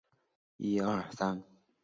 到了车站